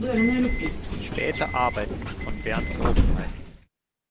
Späte Arbeiten von Bernd Rosenheim“.